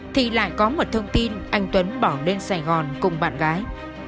thì lại có một thông tin anh tuấn bỏ lên sài gòn cùng bạn gái